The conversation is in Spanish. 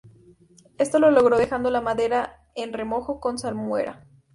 Esto lo logró dejando la madera en remojo con salmuera.